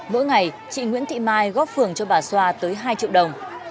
mỗi ngày chị nguyễn thị mai góp phường cho bà xoa tới hai triệu đồng